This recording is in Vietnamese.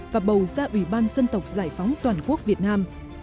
và bầu ra ủy ban dân tộc giải phóng toàn quốc việt nam